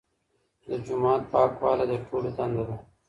د جومات پاکوالی د ټولو دنده ده.